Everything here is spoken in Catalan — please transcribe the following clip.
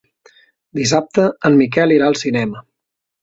Dissabte en Miquel irà al cinema.